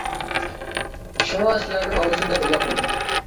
شۇڭا سىلەرنىمۇ ئاڭلىسۇن دەپ يوللاپ قويدۇم.